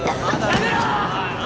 ・やめろ！